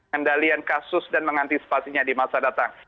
kendalian kasus dan mengantisipasinya di masa datang